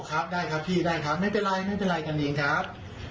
โอ้ครับได้ครับพี่ไม่เป็นไรกันเองครับ